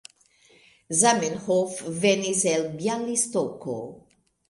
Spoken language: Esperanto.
Zamenhof venis el Bjalistoko.